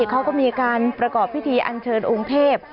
เขาก็มีการประกอบพิธีอันเชิญองค์เทพ